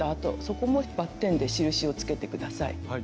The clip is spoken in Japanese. そこもバッテンで印をつけて下さい。